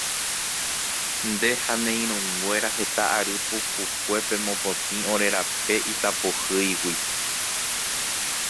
Nde ha ne irũnguéra heta ary pukukue pemopotĩ ore rape itapohýigui.